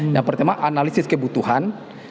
yang pertama analisis kebutuhan